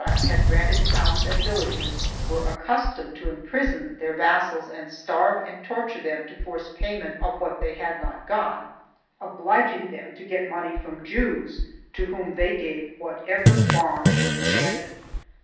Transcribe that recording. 7 98 THE JEWS AND THE CONVEESOS [BOOK I had granted towns and villages, were accustomed to imprison their vassals and starve and torture them to force payment of what they had not got, obliging them to get money from Jews to whom they gave whatever bonds were demanded.